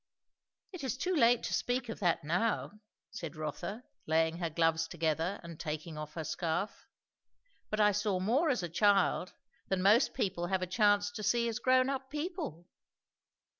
"It is too late to speak of that now," said Rotha, laying her gloves together and taking off her scarf. "But I saw more as a child, than most people have a chance to see as grown up people."